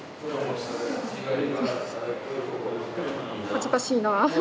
恥ずかしいなあ。